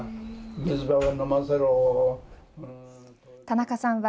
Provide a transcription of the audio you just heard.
田中さんは